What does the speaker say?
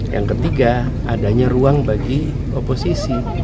yang ketiga adanya ruang bagi oposisi